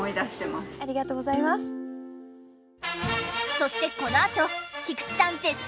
そしてこのあと菊池さん絶賛！